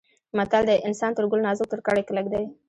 متل دی: انسان تر ګل نازک تر کاڼي کلک دی.